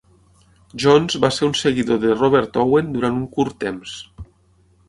Jones va ser un seguidor de Robert Owen durant un curt temps.